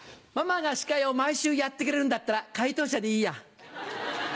ママが司会を毎週やってくれるんだったら回答者でいいや。